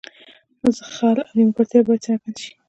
خل او نیمګړتیاوې باید څرګندې شي.